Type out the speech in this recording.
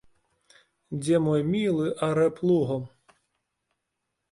Дзе мой мілы арэ плугам.